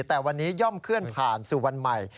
แต่วันนี้ย่อมเคลื่อนผ่านสู่วันใหม่